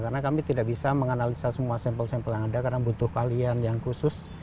karena kami tidak bisa menganalisa semua sampel sampel yang ada karena butuh kalian yang khusus